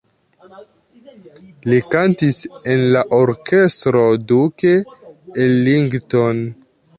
Li kantis en la Orkestro Duke Ellington.